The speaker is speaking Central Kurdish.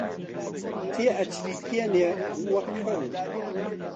تێئەچریکێنێ وەک کەو